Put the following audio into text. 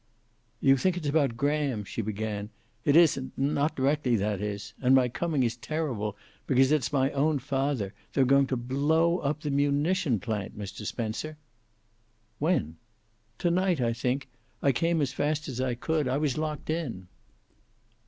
"You think it's about Graham," she began. "It isn't, not directly, that is. And my coming is terrible, because it's my own father. They're going to blow up the munition plant, Mr. Spencer!" "When?" "To night, I think. I came as fast as I could. I was locked in.